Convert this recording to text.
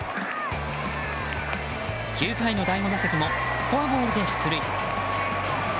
９回の第５打席もフォアボールで出塁。